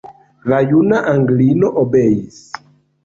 La juna Anglino obeis.